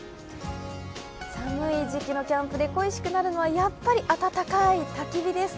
寒い時期のキャンプで恋しくなるのは、やっぱり暖かいたき火です。